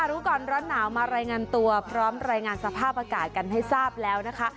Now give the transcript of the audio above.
รู้ก่อนร้อนหนาวมารายงานตัวพร้อมรายงานสภาพอากาศกันให้ทราบแล้วนะคะ